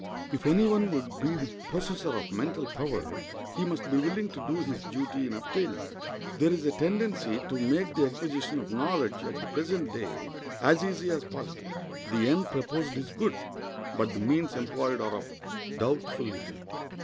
If any one would be the possessor of mental power he must be willing to do his duty in obtaining it. There is a tendency to make the acquisition of knowledge, at the present day, as easy as possible. The end proposed is good, but the means employed are of doubtful utility.